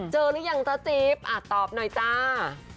เจอหรือยังจ้าซิบรับตอบหน่อยจ้า